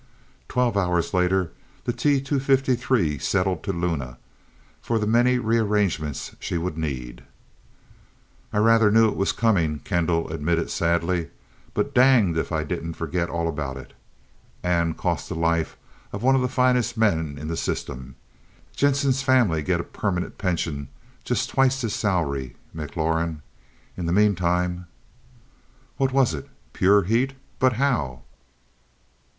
Twelve hours later, the T 253 settled to Luna, for the many rearrangements she would need. "I rather knew it was coming," Kendall admitted sadly, "but danged if I didn't forget all about it. And cost the life of one of the finest men in the system. Jehnson's family get a permanent pension just twice his salary, McLaurin. In the meantime " "What was it? Pure heat, but how?"